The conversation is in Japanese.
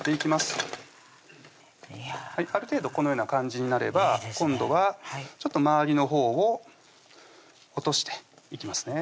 ある程度このような感じになれば今度はちょっと周りのほうを落としていきますね